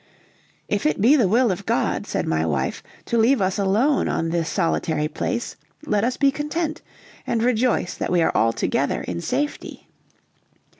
"If it be the will of God," said my wife, "to leave us alone on this solitary place, let us be content; and rejoice that we are all together in safety."